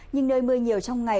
nhưng nơi mưa nhiều trong ngày